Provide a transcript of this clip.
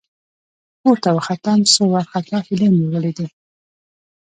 ، پورته وختم، څو وارخطا هيلۍ مې ولېدې.